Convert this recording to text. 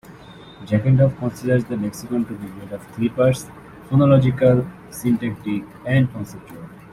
Jackendoff considers the lexicon to be made of three parts: phonological, syntactic, and conceptual.